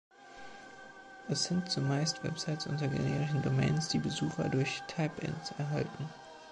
Es sind zumeist Websites unter generischen Domains, die Besucher durch Type-ins erhalten.